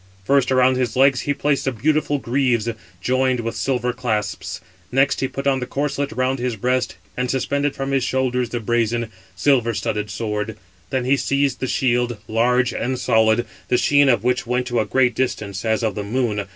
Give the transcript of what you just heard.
First around his legs he placed the beautiful greaves, joined with silver clasps, next he put on the corslet round his breast, and suspended from his shoulders the brazen, silver studded sword; then he seized the shield, large and solid, the sheen of which went to a great distance, as of the moon.